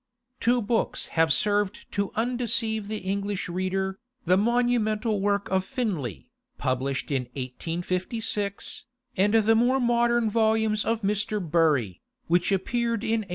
Two books have served to undeceive the English reader, the monumental work of Finlay, published in 1856, and the more modern volumes of Mr. Bury, which appeared in 1889.